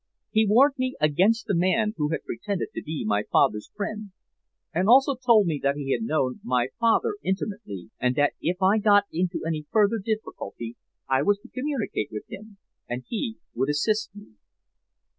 He warned me against the man who had pretended to be my father's friend, and also told me that he had known my father intimately, and that if I got into any further difficulty I was to communicate with him and he would assist me.